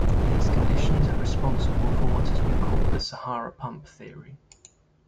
These conditions are responsible for what has been called the Sahara pump theory.